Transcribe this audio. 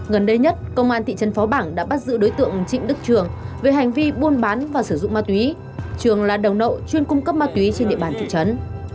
gần đây nhất công an thị trấn phó bảng đã bắt giữ đối tượng trịnh đức trường về hành vi buôn bán và sử dụng ma túy trường là đầu nậu chuyên cung cấp ma túy trên địa bàn thị trấn